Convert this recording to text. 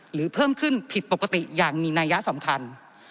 เพิ่มขึ้นผิดปกติอย่างมีนัยสำคัญ